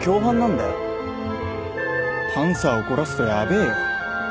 パンサー怒らすとやべえよ。